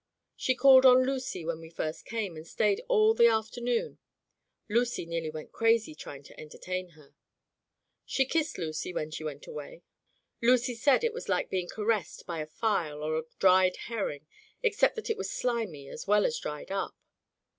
She called on Lucy when we first came, and stayed all the after noon. Lucy nearly went crazy trying to enter tain her. She kissed Lucy when she went away. Lucy said it was like being caressed by a file or a dried herring, except that it was slimy as well as dried up.